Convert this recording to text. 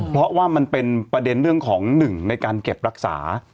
เพราะว่ามันเป็นประเด็นเรื่องของหนึ่งในการเก็บรักษา